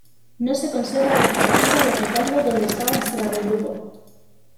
No se conserva la arquitectura del retablo donde estaba instalado el grupo.